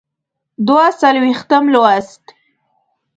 دوه څلویښتم لوست.